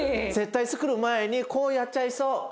絶対つくる前にこうやっちゃいそう。